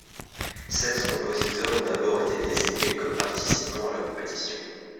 Seize compositeurs ont d'abord été désignés comme participants à la compétition.